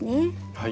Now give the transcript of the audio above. はい。